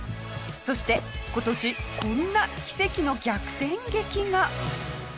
そして今年こんな奇跡の逆転劇が！